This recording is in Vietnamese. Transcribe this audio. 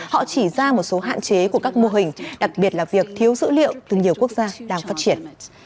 họ chỉ ra một số hạn chế của các mô hình đặc biệt là việc thiếu dữ liệu từ nhiều quốc gia đang phát triển